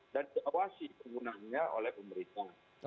dan diawasi penggunanya oleh pemerintah